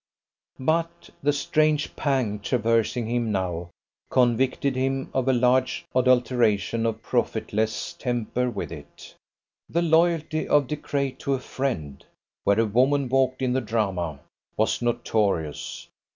But the strange pang traversing him now convicted him of a large adulteration of profitless temper with it. The loyalty of De Craye to a friend, where a woman walked in the drama, was notorious.